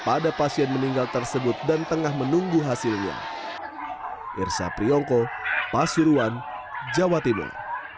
pada pasien meninggal tersebut dan tengah menunggu hasilnya irsa priyongko pasuruan jawa timur